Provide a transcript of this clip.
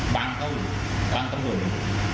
บางเขาอยู่บางตำรวจอยู่